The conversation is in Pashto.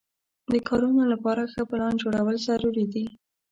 د کارونو لپاره ښه پلان جوړول ضروري دي.